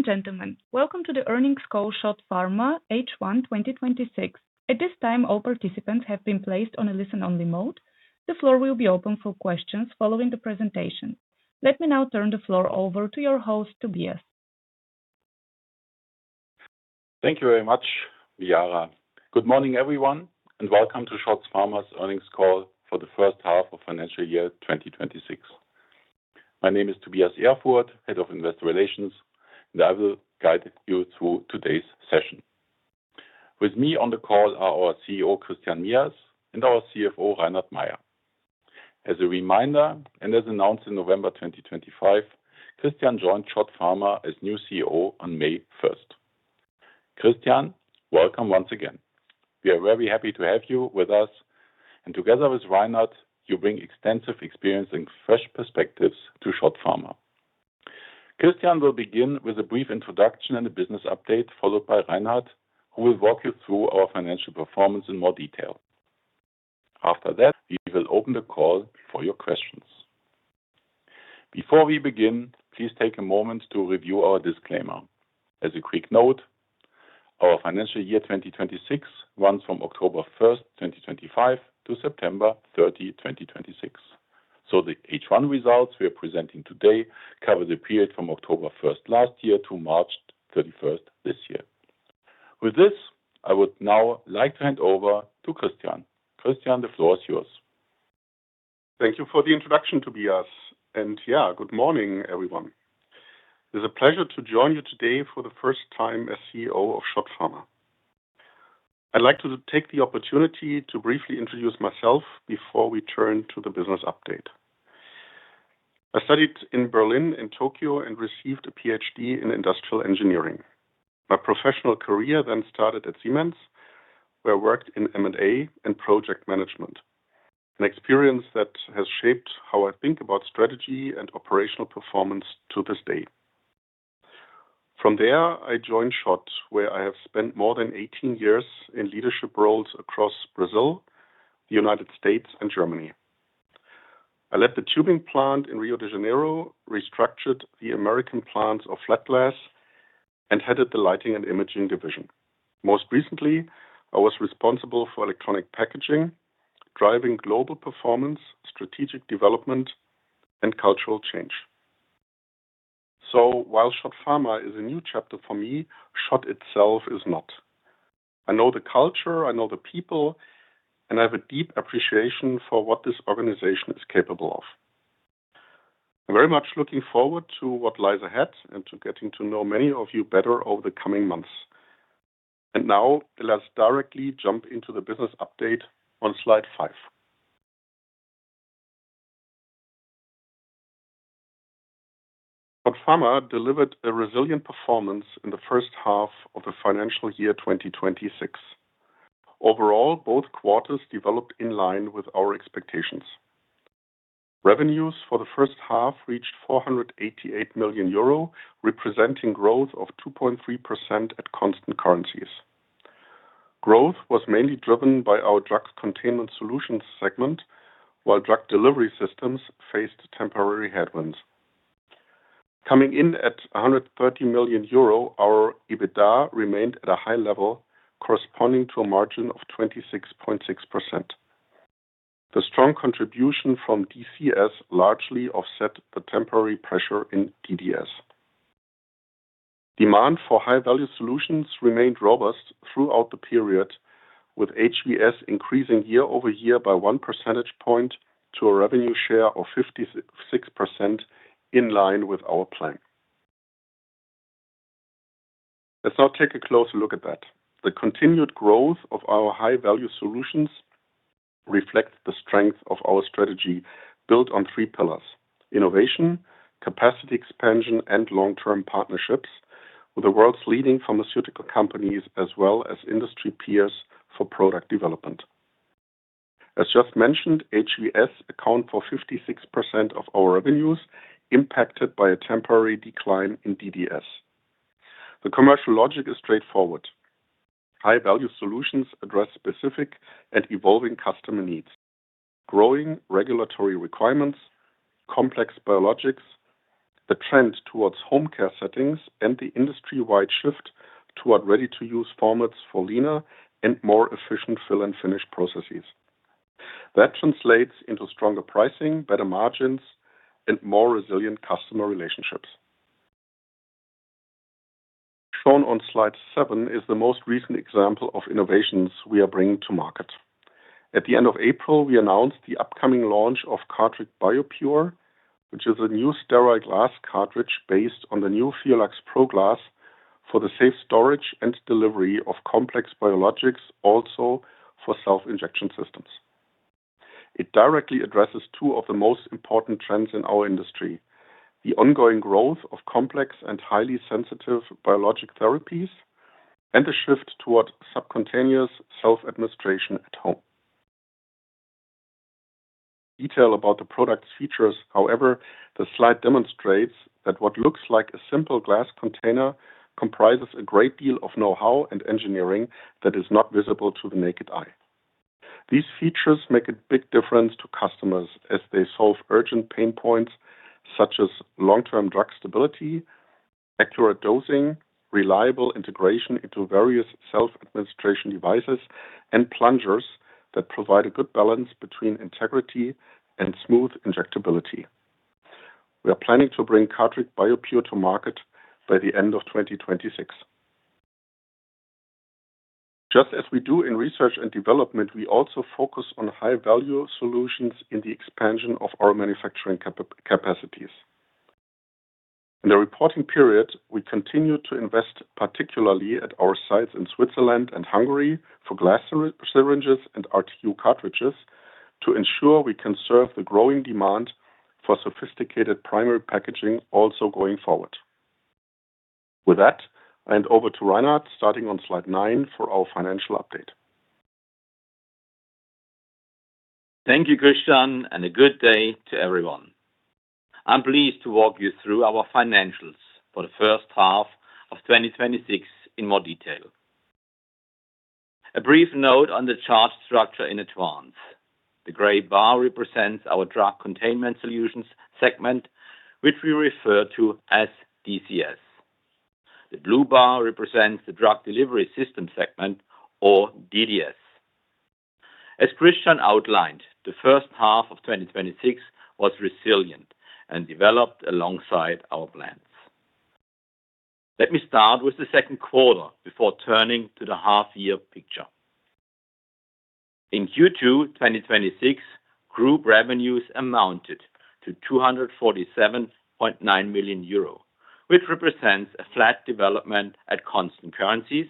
Ladies and gentlemen, welcome to the earnings call SCHOTT Pharma H1 2026. At this time, all participants have been placed on a listen-only mode. The floor will be open for questions following the presentation. Let me now turn the floor over to your host, Tobias. Thank you very much, Viara. Good morning, everyone, and welcome to SCHOTT Pharma's earnings call for the first half of financial year 2026. My name is Tobias Erfurth, Head of Investor Relations, and I will guide you through today's session. With me on the call are our CEO, Christian Mias, and our CFO, Reinhard Mayer. As a reminder, and as announced in November 2025, Christian joined SCHOTT Pharma as new CEO on May 1st. Christian, welcome once again. We are very happy to have you with us, and together with Reinhard, you bring extensive experience and fresh perspectives to SCHOTT Pharma. Christian will begin with a brief introduction and a business update, followed by Reinhard, who will walk you through our financial performance in more detail. After that, we will open the call for your questions. Before we begin, please take a moment to review our disclaimer. As a quick note, our financial year 2026 runs from October 1st, 2025 to September 30, 2026. So, the H1 results we are presenting today cover the period from October 1st last year to March 31st this year. I would now like to hand over to Christian. Christian, the floor is yours. Thank you for the introduction, Tobias. Yeah, good morning, everyone. It is a pleasure to join you today for the first time as CEO of SCHOTT Pharma. I'd like to take the opportunity to briefly introduce myself before we turn to the business update. I studied in Berlin and Tokyo and received a PhD in Industrial Engineering. My professional career then started at Siemens, where I worked in M&A and project management, an experience that has shaped how I think about strategy and operational performance to this day. From there, I joined SCHOTT, where I have spent more than 18 years in leadership roles across Brazil, the U.S., and Germany. I led the tubing plant in Rio de Janeiro, restructured the American plants of Flat Glass, and headed the Lighting and Imaging division. Most recently, I was responsible for electronic packaging, driving global performance, strategic development, and cultural change. While SCHOTT Pharma is a new chapter for me, SCHOTT itself is not. I know the culture, I know the people, and I have a deep appreciation for what this organization is capable of. I'm very much looking forward to what lies ahead and to getting to know many of you better over the coming months. Now let's directly jump into the business update on slide five. SCHOTT Pharma delivered a resilient performance in the first half of the financial year 2026. Overall, both quarters developed in line with our expectations. Revenues for the first half reached 488 million euro, representing growth of 2.3% at constant currencies. Growth was mainly driven by our Drug Containment Solutions segment, while Drug Delivery Systems faced temporary headwinds. Coming in at 130 million euro, our EBITDA remained at a high level, corresponding to a margin of 26.6%. The strong contribution from DCS largely offset the temporary pressure in DDS. Demand for high-value solutions remained robust throughout the period, with HVS increasing year-over-year by 1 percentage point to a revenue share of 56% in line with our plan. Let's now take a closer look at that. The continued growth of our high-value solutions reflects the strength of our strategy built on three pillars: innovation, capacity expansion, and long-term partnerships with the world's leading pharmaceutical companies as well as industry peers for product development. As just mentioned, HVS account for 56% of our revenues impacted by a temporary decline in DDS. The commercial logic is straightforward. High-value solutions address specific and evolving customer needs, growing regulatory requirements, complex biologics, the trend towards home care settings, and the industry-wide shift toward ready-to-use formats for leaner and more efficient fill and finish processes. That translates into stronger pricing, better margins, and more resilient customer relationships. Shown on slide seven is the most recent example of innovations we are bringing to market. At the end of April, we announced the upcoming launch of cartriQ BioPure, which is a new sterile glass cartridge based on the new FIOLAX Pro glass for the safe storage and delivery of complex biologics also for self-injection systems. It directly addresses two of the most important trends in our industry: the ongoing growth of complex and highly sensitive biologic therapies, and the shift toward subcutaneous self-administration at home. Detail about the product's features, however, the slide demonstrates that what looks like a simple glass container comprises a great deal of know-how and engineering that is not visible to the naked eye. These features make a big difference to customers as they solve urgent pain points such as long-term drug stability, accurate dosing, reliable integration into various self-administration devices, and plungers that provide a good balance between integrity and smooth injectability. We are planning to bring cartriQ BioPure to market by the end of 2026. Just as we do in research and development, we also focus on high-value solutions in the expansion of our manufacturing capacities. In the reporting period, we continued to invest, particularly at our sites in Switzerland and Hungary for glass syringes and RTU cartridges to ensure we can serve the growing demand for sophisticated primary packaging also going forward. With that, I hand over to Reinhard starting on slide nine for our financial update. Thank you, Christian, and a good day to everyone. I'm pleased to walk you through our financials for the first half of 2026 in more detail. A brief note on the chart structure in advance. The gray bar represents our Drug Containment Solutions segment, which we refer to as DCS. The blue bar represents the Drug Delivery System segment, or DDS. As Christian outlined, the first half of 2026 was resilient and developed alongside our plans. Let me start with the second quarter before turning to the half-year picture. In Q2 2026, group revenues amounted to 247.9 million euro, which represents a flat development at constant currencies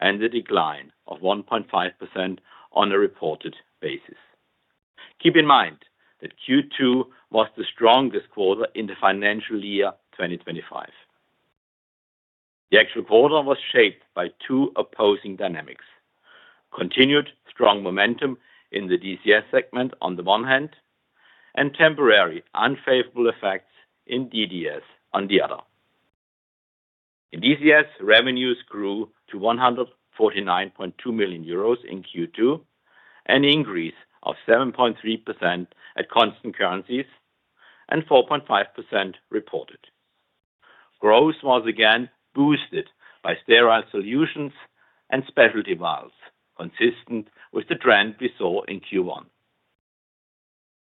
and a decline of 1.5% on a reported basis. Keep in mind that Q2 was the strongest quarter in the financial year 2025. The actual quarter was shaped by two opposing dynamics: continued strong momentum in the DCS segment on the one hand and temporary unfavorable effects in DDS on the other. In DCS, revenues grew to 149.2 million euros in Q2, an increase of 7.3% at constant currencies and 4.5% reported. Growth was again boosted by sterile solutions and specialty vials, consistent with the trend we saw in Q1.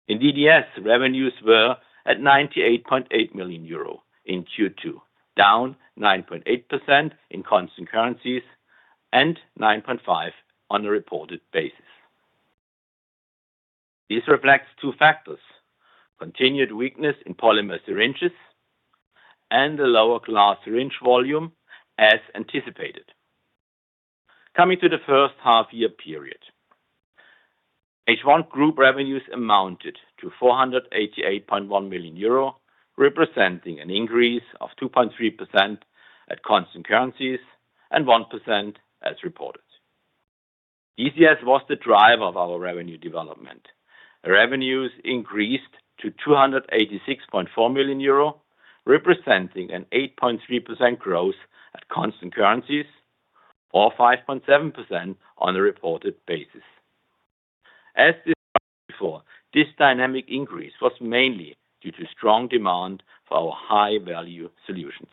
In DDS, revenues were at 98.8 million euro in Q2, down 9.8% in constant currencies and 9.5% on a reported basis. This reflects two factors: continued weakness in polymer syringes and the lower glass syringe volume as anticipated. Coming to the first half-year period. H1 group revenues amounted to 488.1 million euro, representing an increase of 2.3% at constant currencies and 1% as reported. DCS was the driver of our revenue development. Revenues increased to 286.4 million euro, representing an 8.3% growth at constant currencies or 5.7% on a reported basis. As discussed before, this dynamic increase was mainly due to strong demand for our high-value solutions.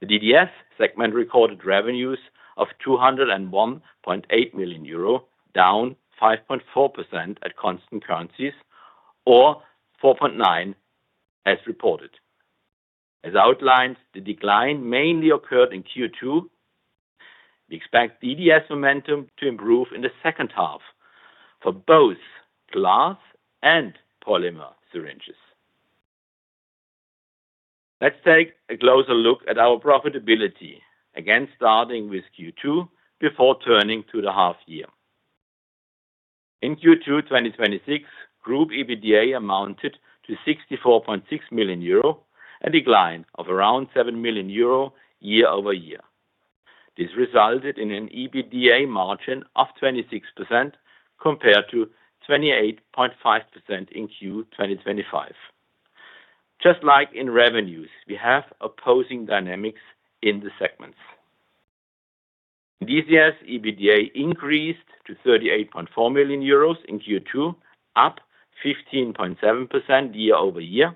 The DDS segment recorded revenues of 201.8 million euro, down 5.4% at constant currencies or 4.9% as reported. As outlined, the decline mainly occurred in Q2. We expect DDS momentum to improve in the second half for both glass and polymer syringes. Let's take a closer look at our profitability, again starting with Q2 before turning to the half year. In Q2 2026, group EBITDA amounted to 64.6 million euro, a decline of around 7 million euro year-over-year. This resulted in an EBITDA margin of 26% compared to 28.5% in Q 2025. Just like in revenues, we have opposing dynamics in the segments. DCS EBITDA increased to 38.4 million euros in Q2, up 15.7% year-over-year,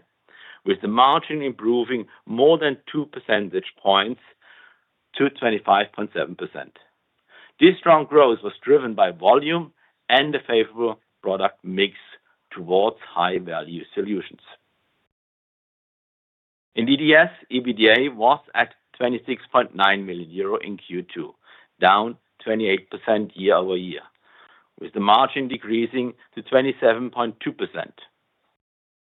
with the margin improving more than 2 percentage points to 25.7%. This strong growth was driven by volume and the favorable product mix towards high-value solutions. In DDS, EBITDA was at 26.9 million euro in Q2, down 28% year-over-year, with the margin decreasing to 27.2%.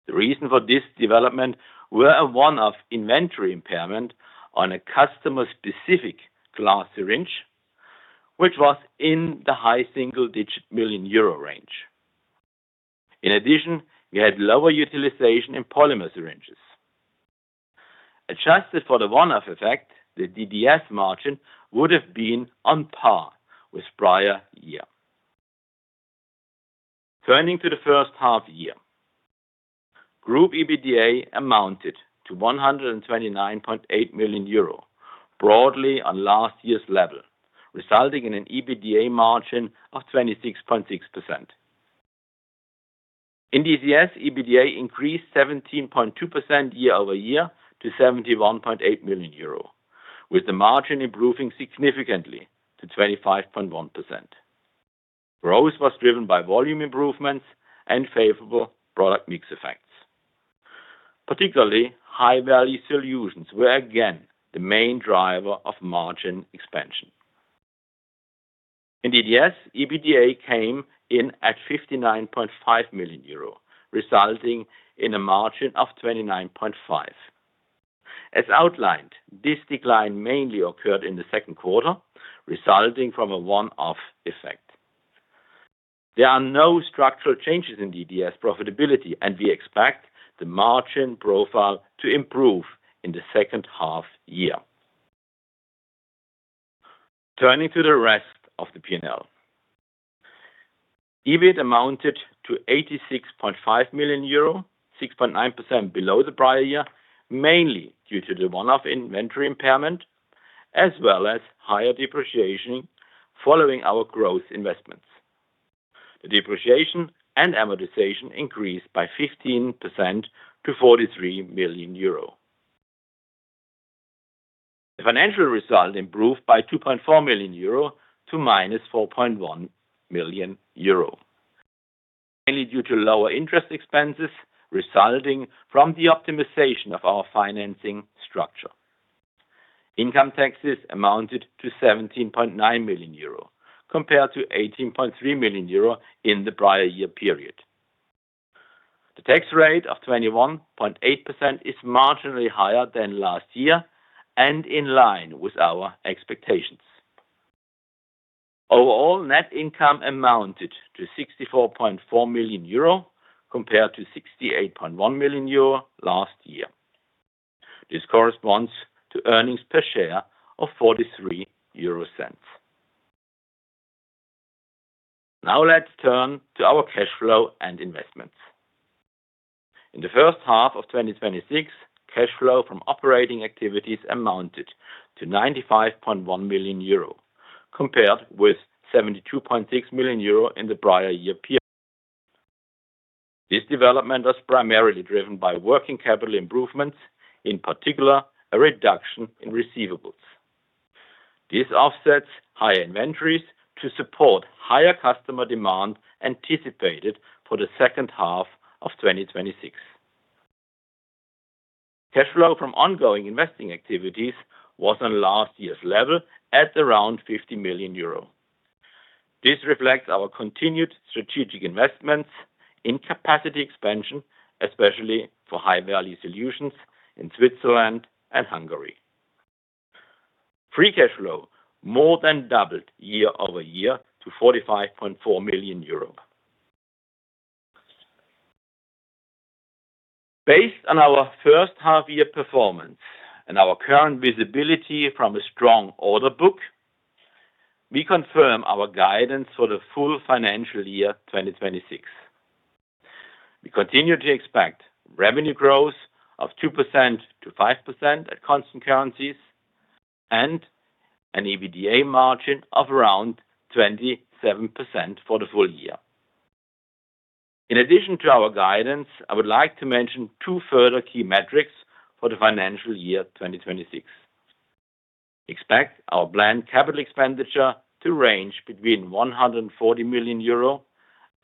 The reason for this development were a one-off inventory impairment on a customer-specific glass syringe, which was in the high single-digit million euro range. We had lower utilization in polymer syringes. Adjusted for the one-off effect, the DDS margin would have been on par with prior year. Turning to the first half-year. Group EBITDA amounted to 129.8 million euro, broadly on last year's level, resulting in an EBITDA margin of 26.6%. In DCS, EBITDA increased 17.2% year-over-year to 71.8 million euro, with the margin improving significantly to 25.1%. Growth was driven by volume improvements and favorable product mix effects. Particularly high-value solutions were again the main driver of margin expansion. In DDS, EBITDA came in at 59.5 million euro, resulting in a margin of 29.5%. As outlined, this decline mainly occurred in the second quarter, resulting from a one-off effect. There are no structural changes in DDS profitability, and we expect the margin profile to improve in the second half year. Turning to the rest of the P&L. EBIT amounted to 86.5 million euro, 6.9% below the prior year, mainly due to the one-off inventory impairment as well as higher depreciation following our growth investments. The depreciation and amortization increased by 15% to 43 million euro. The financial result improved by 2.4 million euro to -4.1 million euro, mainly due to lower interest expenses resulting from the optimization of our financing structure. Income taxes amounted to 17.9 million euro compared to 18.3 million euro in the prior year period. The tax rate of 21.8% is marginally higher than last year and in line with our expectations. Overall net income amounted to 64.4 million euro compared to 68.1 million euro last year. This corresponds to earnings per share of 0.43. Let's turn to our cash flow and investments. In the first half of 2026, cash flow from operating activities amounted to 95.1 million euro compared with 72.6 million euro in the prior year period. This development was primarily driven by working capital improvements, in particular, a reduction in receivables. This offsets higher inventories to support higher customer demand anticipated for the second half of 2026. Cash flow from ongoing investing activities was on last year's level at around 50 million euro. This reflects our continued strategic investments in capacity expansion, especially for high-value solutions in Switzerland and Hungary. Free cash flow more than doubled year-over-year to EUR 45.4 million. Based on our first half-year performance and our current visibility from a strong order book, we confirm our guidance for the full financial year 2026. We continue to expect revenue growth of 2%-5% at constant currencies and an EBITDA margin of around 27% for the full year. In addition to our guidance, I would like to mention two further key metrics for the financial year 2026. Expect our planned CapEx to range between 140 million euro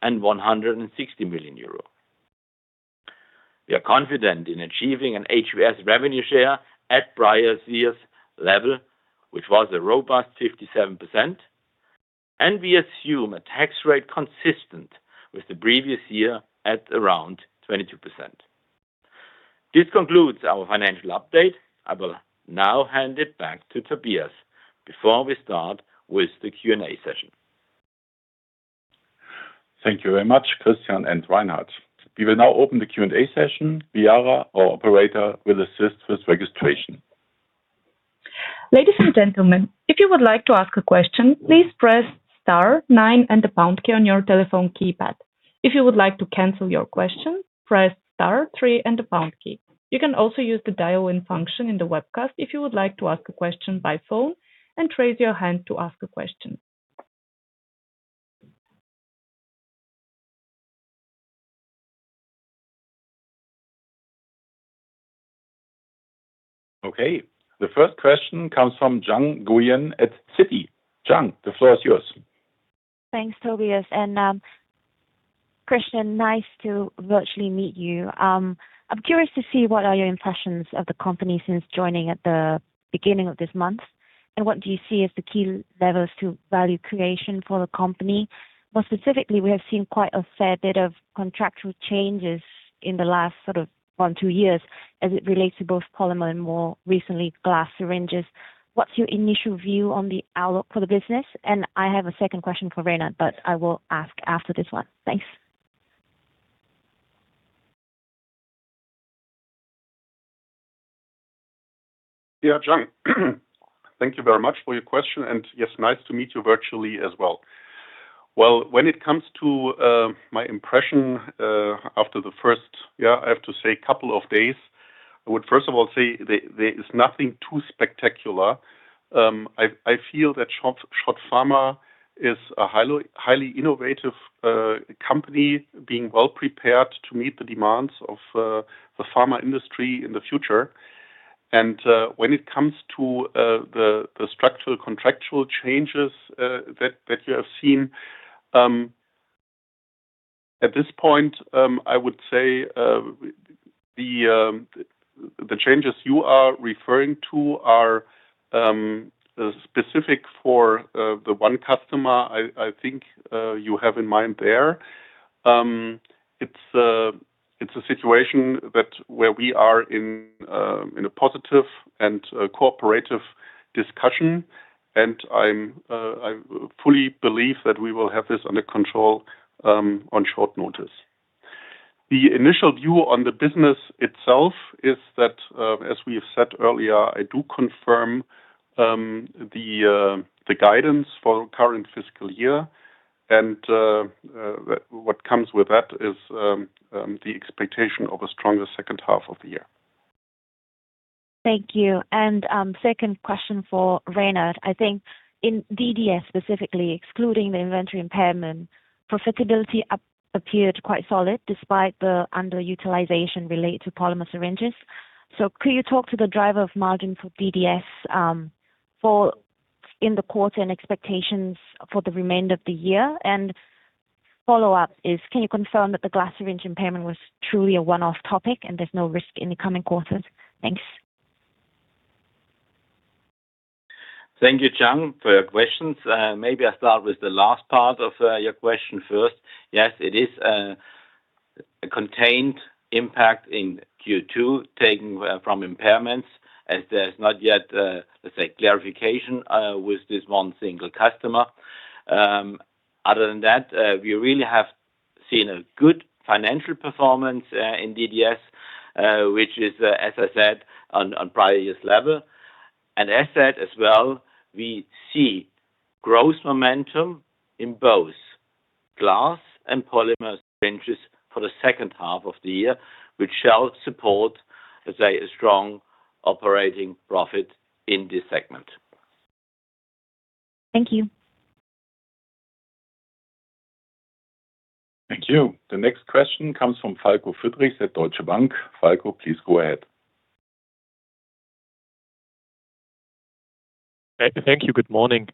and 160 million euro. We are confident in achieving an HVS revenue share at prior year's level, which was a robust 57%, and we assume a tax rate consistent with the previous year at around 22%. This concludes our financial update. I will now hand it back to Tobias before we start with the Q&A session. Thank you very much, Christian and Reinhard. We will now open the Q&A session. Viara, our operator, will assist with registration. Ladies and gentlemen, if you would like to ask a question, please press star nine and the pound key on your telephone keypad. If you would like to cancel your question, press star three and the pound key. You can also use the dial-in function in the webcast if you would like to ask a question by phone and raise your hand to ask a question. Okay. The first question comes from Giang Nguyen at Citi. Giang, the floor is yours. Thanks, Tobias. Christian, nice to virtually meet you. I'm curious to see what are your impressions of the company since joining at the beginning of this month, and what do you see as the key levers to value creation for the company? More specifically, we have seen quite a fair bit of contractual changes in the last sort of one, two years as it relates to both polymer and more recently, glass syringes. What's your initial view on the outlook for the business? I have a second question for Reinhard, but I will ask after this one. Thanks. Yeah, Giang, thank you very much for your question, and yes, nice to meet you virtually as well. Well, when it comes to my impression after the first, I have to say couple of days, I would first of all say there is nothing too spectacular. I feel that SCHOTT Pharma is a highly innovative company being well-prepared to meet the demands of the pharma industry in the future. When it comes to the structural contractual changes that you have seen at this point, I would say the changes you are referring to are specific for the one customer I think you have in mind there. It's a situation that where we are in a positive and a cooperative discussion, and I'm I fully believe that we will have this under control on short notice. The initial view on the business itself is that as we have said earlier, I do confirm the guidance for current fiscal year and what comes with that is the expectation of a stronger second half of the year. Thank you. Second question for Reinhard. I think in DDS specifically, excluding the inventory impairment, profitability appeared quite solid despite the underutilization related to polymer syringes. Could you talk to the driver of margin for DDS in the quarter and expectations for the remainder of the year? Follow-up is, can you confirm that the glass syringe impairment was truly a one-off topic and there's no risk in the coming quarters? Thanks. Thank you, Giang, for your questions. Maybe I start with the last part of your question first. Yes, it is a contained impact in Q2 taken from impairments as there's not yet, let's say clarification with this one single customer. Other than that, we really have seen a good financial performance in DDS, which is, as I said, on prior years level. As said as well, we see growth momentum in both glass and polymer syringes for the second half of the year, which shall support, let's say, a strong operating profit in this segment. Thank you. Thank you. The next question comes from Falko Friedrichs at Deutsche Bank. Falko, please go ahead. Thank you. Good morning.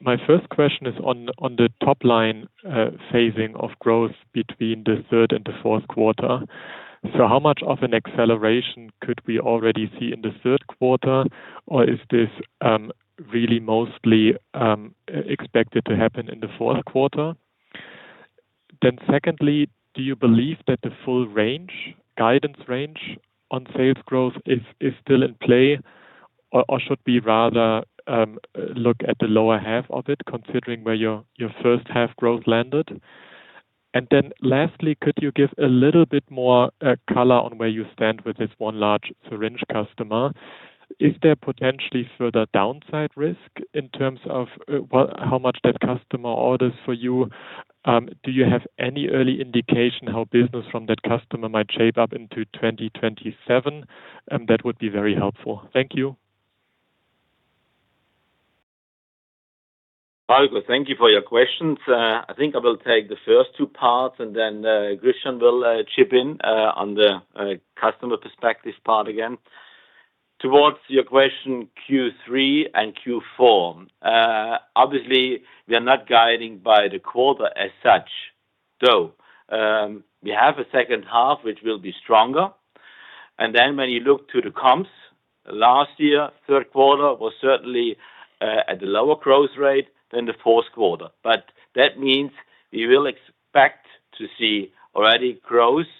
My first question is on the top line phasing of growth between the third and the fourth quarter. How much of an acceleration could we already see in the third quarter, or is this really mostly expected to happen in the fourth quarter? Secondly, do you believe that the full range, guidance range on sales growth is still in play or should we rather look at the lower half of it, considering where your first half growth landed? Lastly, could you give a little bit more color on where you stand with this one large syringe customer? Is there potentially further downside risk in terms of how much that customer orders for you? Do you have any early indication how business from that customer might shape up into 2027? That would be very helpful. Thank you. Falko, thank you for your questions. I think I will take the first two parts and then Christian will chip in on the customer perspectives part again. Towards your question Q3 and Q4, obviously, we are not guiding by the quarter as such, though we have a second half which will be stronger. When you look to the comps, last year, third quarter was certainly at a lower growth rate than the fourth quarter. That means we will expect to see already growth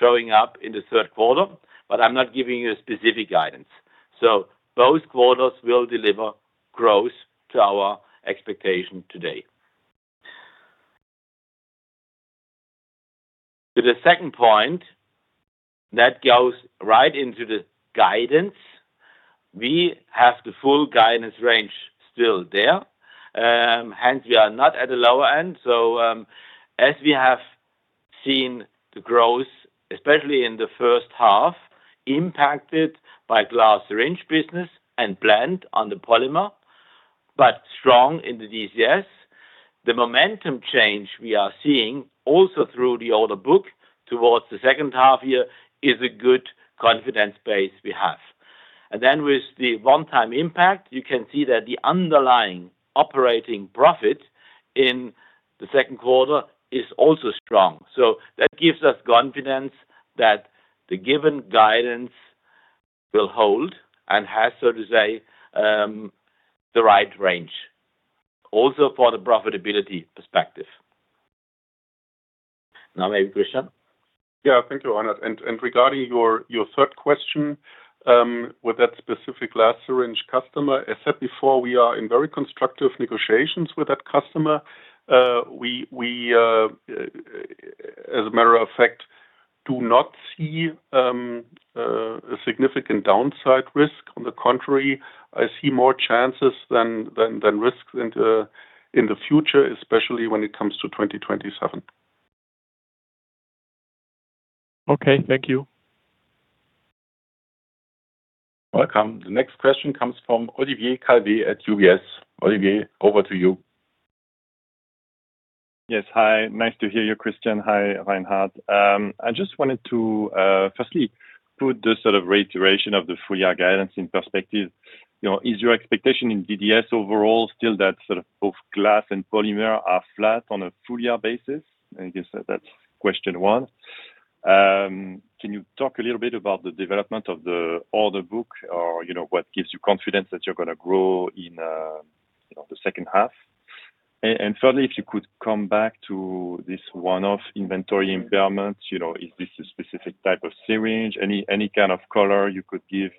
showing up in the third quarter, but I'm not giving you a specific guidance. Both quarters will deliver growth to our expectation today. To the second point, that goes right into the guidance. We have the full guidance range still there. Hence we are not at the lower end. As we have seen the growth, especially in the first half, impacted by glass syringe business and blend on the polymer, but strong in the DCS. The momentum change we are seeing also through the order book towards the second half-year is a good confidence base we have. With the one-time impact, you can see that the underlying operating profit in the second quarter is also strong. That gives us confidence that the given guidance will hold and has, so to say, the right range also for the profitability perspective. Now maybe Christian. Yeah. Thank you, Reinhard. Regarding your third question, with that specific glass syringe customer, I said before we are in very constructive negotiations with that customer. As a matter of fact, do not see a significant downside risk. On the contrary, I see more chances than risks in the future, especially when it comes to 2027. Okay, thank you. Welcome. The next question comes from Olivier Calvet at UBS. Olivier, over to you. Yes. Hi. Nice to hear you, Christian. Hi, Reinhard. I just wanted to firstly put the sort of reiteration of the full year guidance in perspective. You know, is your expectation in DDS overall still that sort of both glass and polymer are flat on a full year basis? I guess that's question one. Can you talk a little bit about the development of the order book or, you know, what gives you confidence that you're gonna grow in, you know, the second half? Thirdly, if you could come back to this one-off inventory impairment. You know, is this a specific type of syringe? Any kind of color you could give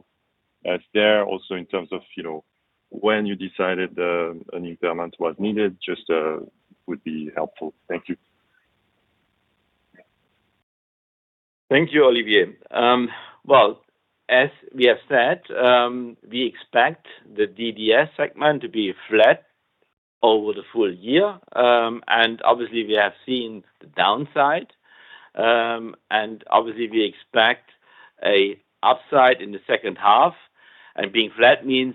us there also in terms of, you know, when you decided an impairment was needed, just would be helpful. Thank you. Thank you, Olivier. Well, as we have said, we expect the DDS segment to be flat over the full year. Obviously we have seen the downside. Obviously we expect a upside in the second half. Being flat means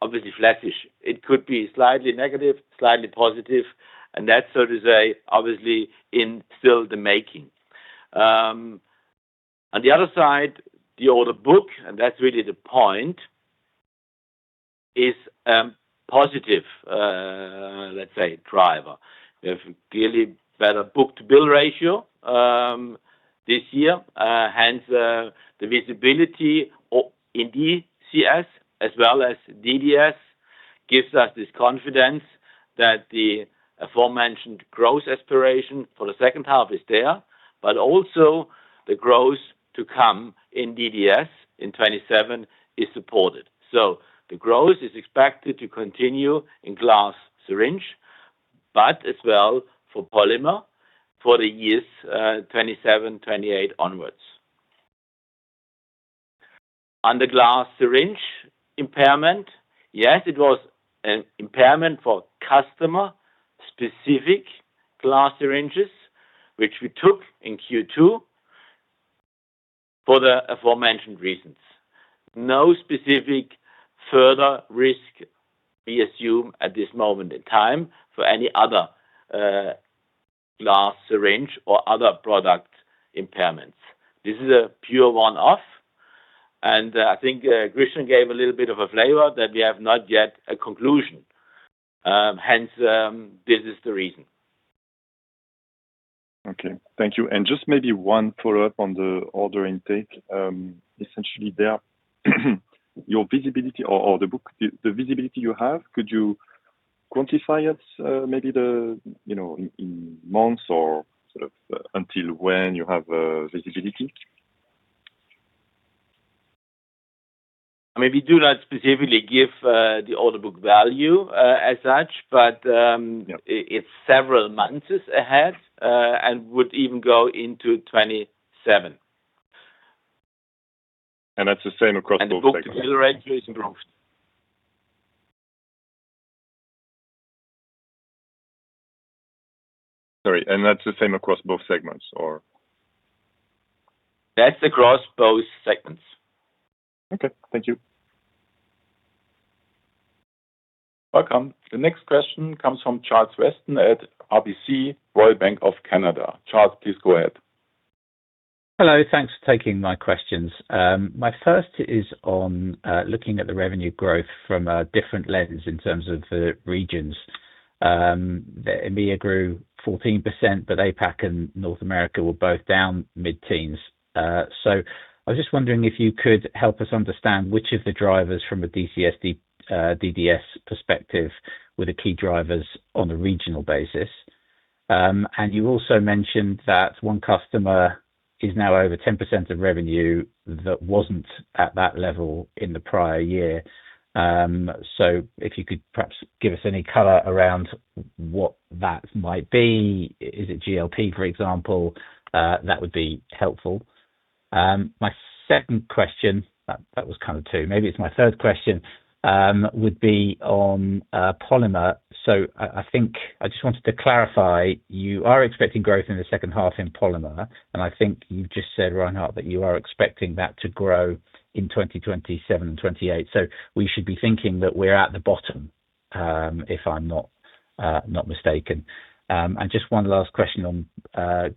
obviously flattish. It could be slightly negative, slightly positive, and that so to say, obviously in still the making. On the other side, the order book, and that's really the point, is positive, let's say driver. We have clearly better book-to-bill ratio this year. Hence, the visibility in DCS as well as DDS gives us this confidence that the aforementioned growth aspiration for the second half is there, but also the growth to come in DDS in 2027 is supported. The growth is expected to continue in glass syringe, but as well for polymer for the years, 2027, 2028 onwards. On the glass syringe impairment, yes, it was an impairment for customer specific glass syringes, which we took in Q2 for the aforementioned reasons. No specific further risk we assume at this moment in time for any other glass syringe or other product impairments. This is a pure one-off, and I think Christian gave a little bit of a flavor that we have not yet a conclusion. Hence, this is the reason. Okay. Thank you. Just maybe one follow-up on the order intake. Essentially there, your visibility or the book, the visibility you have, could you quantify it, maybe, you know, in months or sort of until when you have visibility? I mean, we do not specifically give the order book value as such. Yeah It's several months ahead, and would even go into 2027. That's the same across both segments? The book-to-bill ratio is growth. Sorry, that's the same across both segments or? That's across both segments. Okay. Thank you. Welcome. The next question comes from Charles Weston at RBC, Royal Bank of Canada. Charles, please go ahead. Hello. Thanks for taking my questions. My first is on looking at the revenue growth from a different lens in terms of the regions. The EMEIA grew 14%, but APAC and North America were both down mid-teens. I was just wondering if you could help us understand which of the drivers from a DCS, DDS perspective were the key drivers on a regional basis. You also mentioned that one customer is now over 10% of revenue that wasn't at that level in the prior year. If you could perhaps give us any color around what that might be, is it GLP for example? That would be helpful. My second question. That was kind of two. Maybe it's my third question would be on polymer. I think I just wanted to clarify, you are expecting growth in the second half in polymer, and I think you've just said, Reinhard Mayer, that you are expecting that to grow in 2027 and 2028. We should be thinking that we're at the bottom, if I'm not mistaken. Just one last question on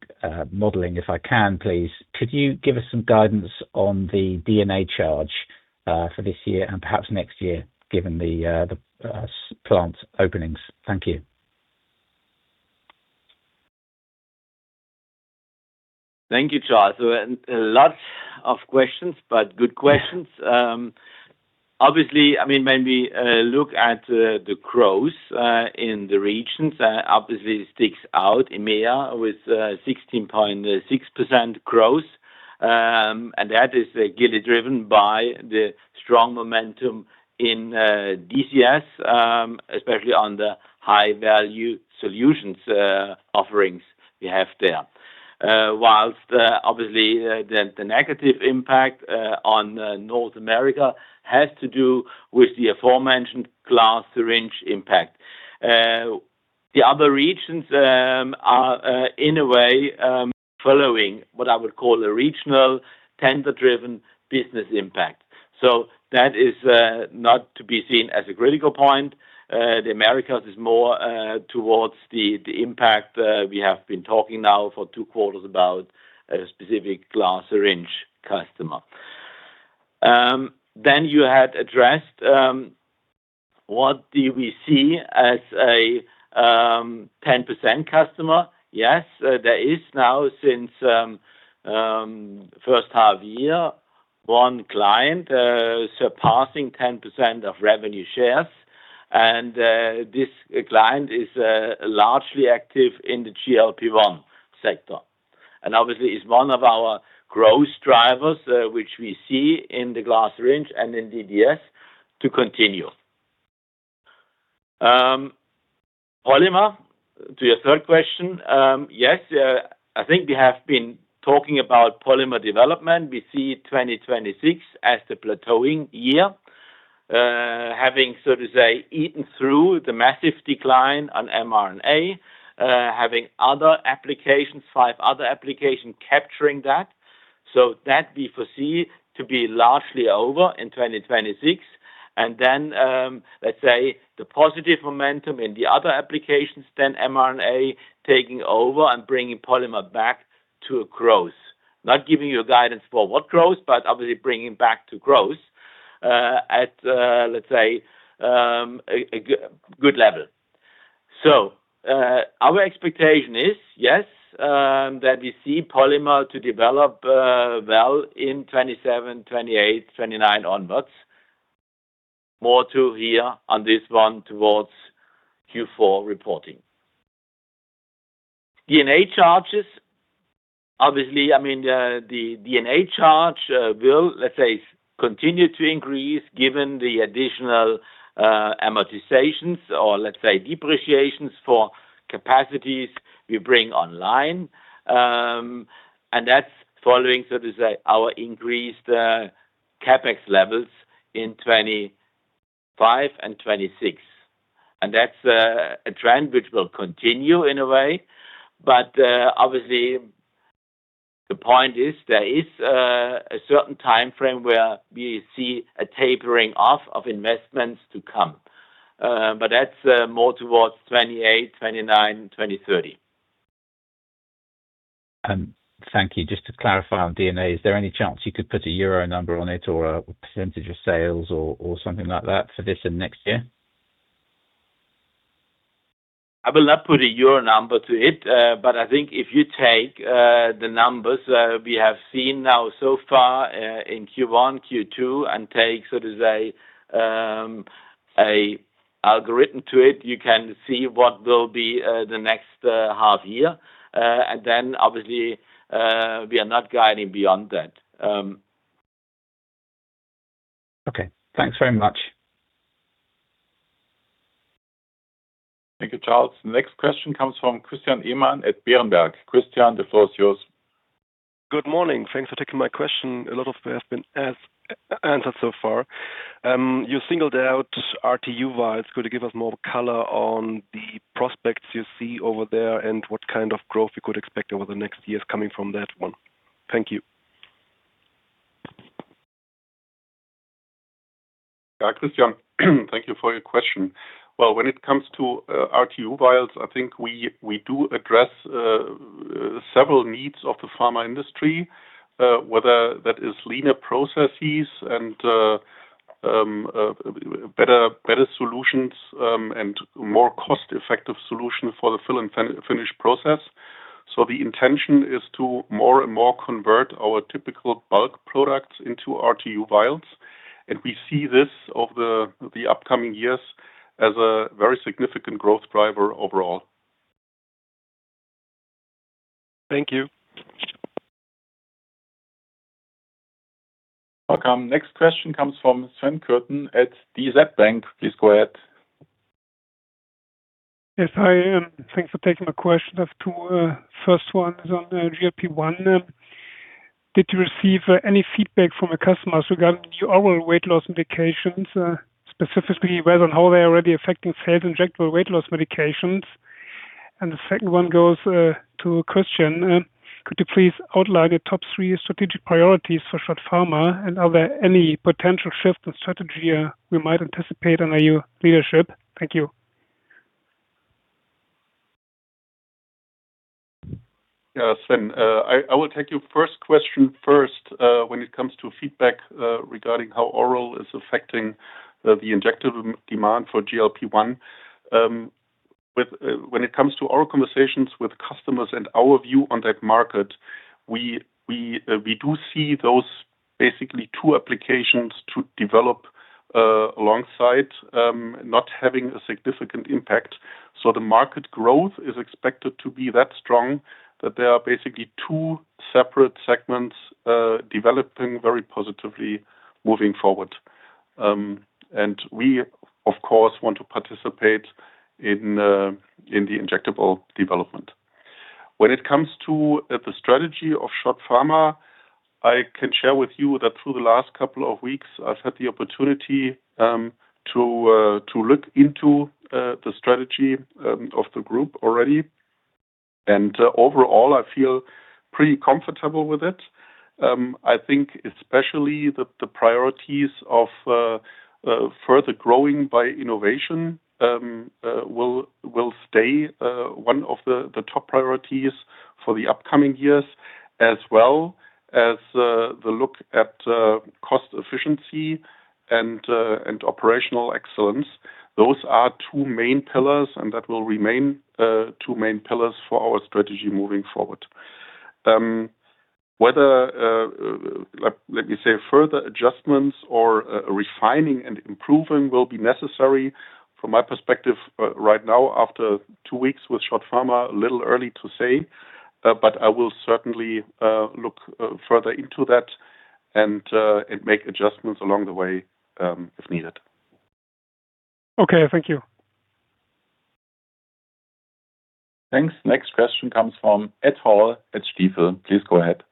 modeling, if I can, please. Could you give us some guidance on the D&A charge for this year and perhaps next year, given the plant openings? Thank you. Thank you, Charles. A lot of questions, but good questions. Obviously, when we look at the growth in the regions, obviously sticks out EMEIA with 16.6% growth. That is clearly driven by the strong momentum in DCS, especially on the high value solutions offerings we have there. Whilst obviously the negative impact on North America has to do with the aforementioned glass syringe impact. The other regions are in a way following what I would call a regional tender-driven business impact. That is not to be seen as a critical point. The Americas is more towards the impact we have been talking now for two quarters about a specific glass syringe customer. You had addressed, what do we see as a 10% customer. Yes, there is now since first half-year, one client surpassing 10% of revenue shares. This client is largely active in the GLP-1 sector. Obviously is one of our growth drivers, which we see in the glass syringe and in DDS to continue. Polymer, to your third question. Yes, I think we have been talking about polymer development. We see 2026 as the plateauing year, having, so to say, eaten through the massive decline on mRNA, having other applications, five other applications capturing that. That we foresee to be largely over in 2026. Then, let's say the positive momentum in the other applications than mRNA taking over and bringing polymer back to a growth. Not giving you a guidance for what growth, but obviously bringing back to growth, at, let's say, a good level. Our expectation is, yes, that we see polymer to develop well in 2027, 2028, 2029 onwards. More to hear on this one towards Q4 reporting. D&A charges, obviously, I mean, the D&A charge will, let's say, continue to increase given the additional amortizations or let's say depreciations for capacities we bring online. That's following, so to say, our increased CapEx levels in 2025 and 2026. That's a trend which will continue in a way. Obviously, the point is there is a certain time frame where we see a tapering off of investments to come. That's more towards 2028, 2029, 2030. Thank you. Just to clarify on D&A, is there any chance you could put a euro number on it or a percentage of sales or something like that for this and next year? I will not put a euro number to it. I think if you take the numbers we have seen now so far in Q1, Q2 and take so to say a algorithm to it, you can see what will be the next half year. Obviously, we are not guiding beyond that. Okay. Thanks very much. Thank you, Charles. The next question comes from Christian Ehmann at Berenberg. Christian, the floor is yours. Good morning. Thanks for taking my question. A lot of they have been as-answered so far. You singled out RTU vials. Could you give us more color on the prospects you see over there and what kind of growth we could expect over the next years coming from that one? Thank you. Christian, thank you for your question. When it comes to RTU vials, I think we do address several needs of the pharma industry, whether that is leaner processes and better solutions and more cost-effective solution for the fill and finish process. The intention is to more and more convert our typical bulk products into RTU vials, and we see this over the upcoming years as a very significant growth driver overall. Thank you. Welcome. Next question comes from Sven Kürten at DZ Bank. Please go ahead. Yes, hi. Thanks for taking my question. I have two. First one is on GLP-1. Did you receive any feedback from the customers regarding your oral weight loss indications, specifically whether on how they are already affecting sales injectable weight loss medications? The second one goes to Christian. Could you please outline the top three strategic priorities for SCHOTT Pharma, and are there any potential shift in strategy we might anticipate under your leadership? Thank you. Yeah. Sven, I will take your first question first, when it comes to feedback regarding how oral is affecting the injectable demand for GLP-1. When it comes to our conversations with customers and our view on that market, we do see those basically two applications to develop alongside, not having a significant impact. The market growth is expected to be that strong that there are basically two separate segments developing very positively moving forward. We of course want to participate in the injectable development. When it comes to the strategy of SCHOTT Pharma, I can share with you that through the last couple of weeks I've had the opportunity to look into the strategy of the group already. Overall I feel pretty comfortable with it. I think especially the priorities of further growing by innovation will stay one of the top priorities for the upcoming years as well as the look at cost efficiency and operational excellence. Those are two main pillars and that will remain two main pillars for our strategy moving forward. Whether let me say further adjustments or refining and improving will be necessary from my perspective right now after two weeks with SCHOTT Pharma a little early to say. I will certainly look further into that and make adjustments along the way if needed. Okay. Thank you. Thanks. Next question comes from Ed Hall at Stifel. Please go ahead.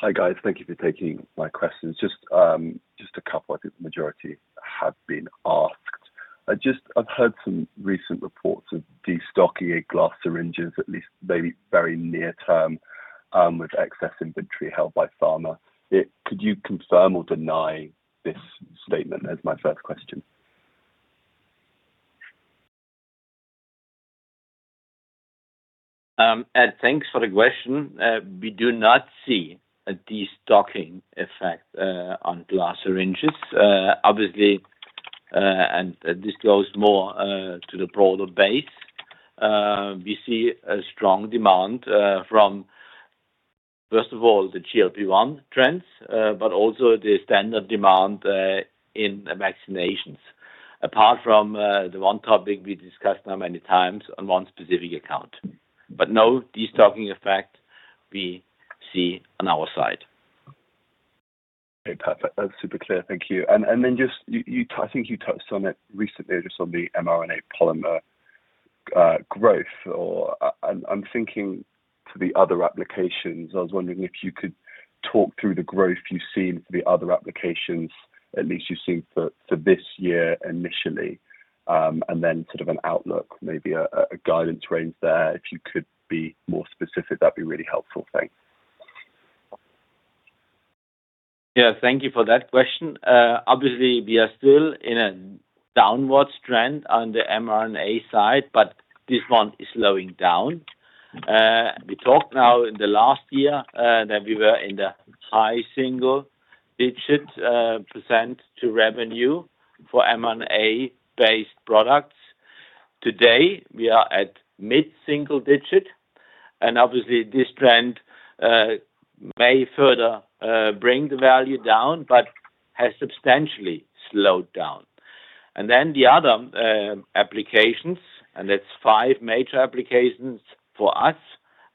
Hi guys. Thank you for taking my questions. Just a couple. I think the majority have been asked. I've heard some recent reports of destocking glass syringes at least maybe very near term, with excess inventory held by pharma. Could you confirm or deny this statement as my first question? Ed, thanks for the question. We do not see a destocking effect on glass syringes. Obviously, and this goes more to the broader base. We see a strong demand from first of all the GLP-1 trends, but also the standard demand in vaccinations. Apart from the one topic we discussed now many times on one specific account. No destocking effect we see on our side. Okay. Perfect. That's super clear. Thank you. Then just you, I think you touched on it recently just on the mRNA polymer growth or I'm thinking for the other applications. I was wondering if you could talk through the growth you've seen for the other applications at least you've seen for this year initially, and then sort of an outlook, maybe a guidance range there. If you could be more specific, that'd be really helpful. Thanks. Yeah. Thank you for that question. Obviously we are still in a downward trend on the mRNA side, but this one is slowing down. We talked now in the last year that we were in the high single-digit % to revenue for mRNA-based products. Today we are at mid-single-digit and obviously this trend may further bring the value down but has substantially slowed down. Then the other applications, and that's five major applications for us,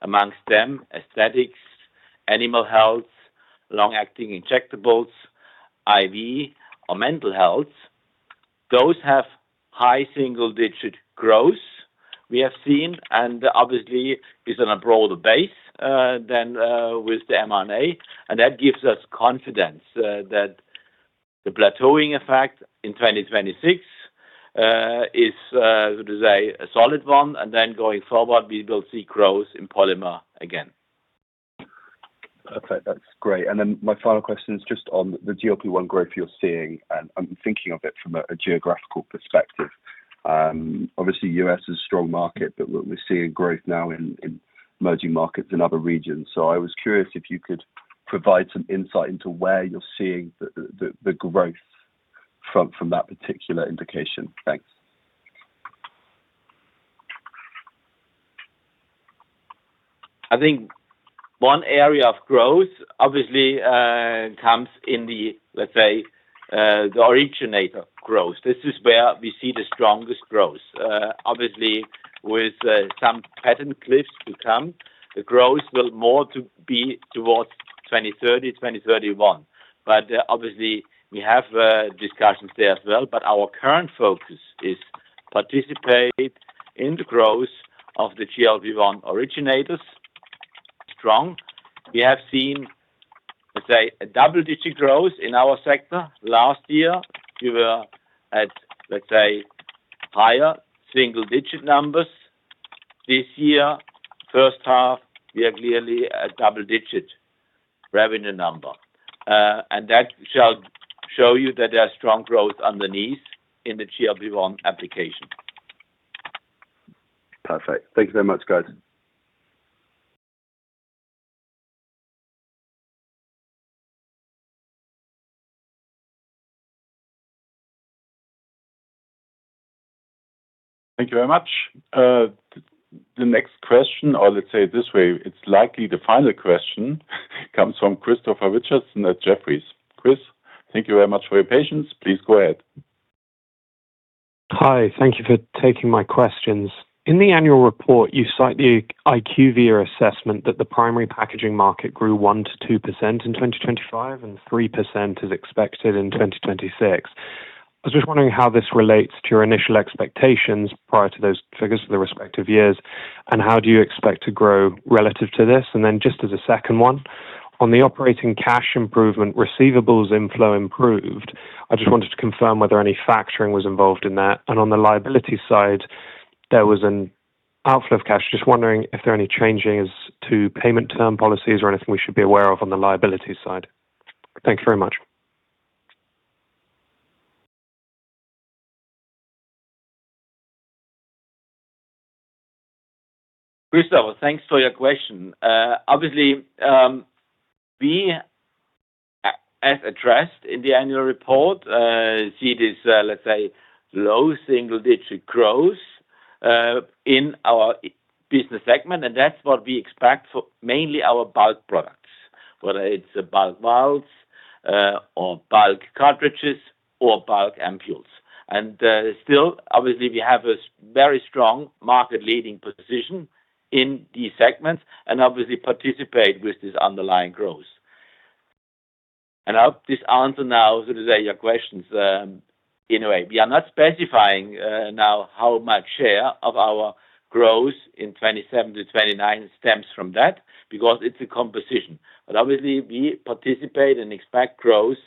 amongst them aesthetics, animal health, long-acting injectables, IV or mental health. Those have high single-digit growth we have seen and obviously is on a broader base than with the mRNA. That gives us confidence, that the plateauing effect in 2026, is, I would say a solid one and then going forward we will see growth in polymer again. Perfect. That's great. My final question is just on the GLP-1 growth you're seeing, and I'm thinking of it from a geographical perspective. Obviously, U.S. is a strong market, but we're seeing growth now in emerging markets in other regions. I was curious if you could provide some insight into where you're seeing the growth from that particular indication. Thanks. I think one area of growth obviously comes in the, let's say, the originator growth. This is where we see the strongest growth. Obviously with some patent cliffs to come, the growth will more to be towards 2030, 2031. Obviously we have discussions there as well. Our current focus is participate in the growth of the GLP-1 originators strong. We have seen, let's say a double-digit growth in our sector. Last year we were at, let's say, higher single-digit numbers. This year, first half, we are clearly a double-digit revenue number. That shall show you that there are strong growth underneath in the GLP-1 application. Perfect. Thank you very much, guys. Thank you very much. The next question, or let's say it this way, it's likely the final question comes from Christopher Richardson at Jefferies. Chris, thank you very much for your patience. Please go ahead. Hi. Thank you for taking my questions. In the annual report, you cite the IQVIA assessment that the primary packaging market grew 1%-2% in 2025, and 3% is expected in 2026. I was just wondering how this relates to your initial expectations prior to those figures for the respective years, and how do you expect to grow relative to this? Just as a second one, on the operating cash improvement receivables inflow improved, I just wanted to confirm whether any factoring was involved in that. On the liability side, there was an outflow of cash. Just wondering if there are any changing as to payment term policies or anything we should be aware of on the liability side. Thank you very much. Christopher, thanks for your question. Obviously, as addressed in the annual report, we see this low single-digit growth in our business segment, and that's what we expect for mainly our bulk products, whether it's bulk vials, or bulk cartridges or bulk ampoules. Still, obviously, we have a very strong market-leading position in these segments and obviously participate with this underlying growth. I hope this answer now, so to say, your questions in a way. We are not specifying now how much share of our growth in 2027-2029 stems from that because it's a composition. Obviously, we participate and expect growth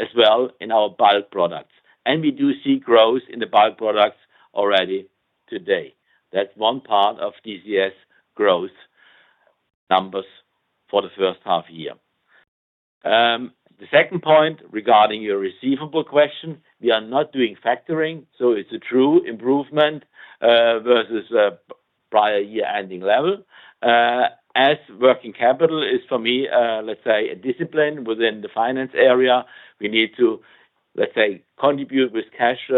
as well in our bulk products. We do see growth in the bulk products already today. That's one part of DCS growth numbers for the first half-year. The second point regarding your receivable question, we are not doing factoring, so it's a true improvement versus a prior year ending level. As working capital is for me, let's say, a discipline within the finance area, we need to, let's say, contribute with cash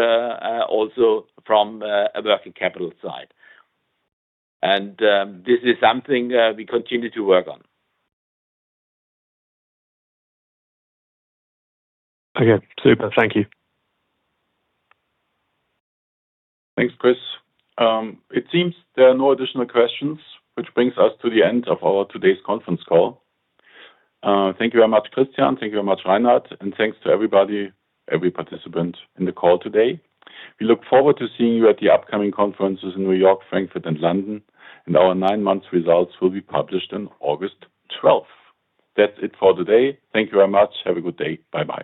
also from a working capital side. This is something that we continue to work on. Okay. Super. Thank you. Thanks, Chris. It seems there are no additional questions, which brings us to the end of our today's conference call. Thank you very much, Christian. Thank you very much, Reinhard. Thanks to everybody, every participant in the call today. We look forward to seeing you at the upcoming conferences in New York, Frankfurt, and London, and our nine-month results will be published on August 12th. That's it for today. Thank you very much. Have a good day. Bye-bye.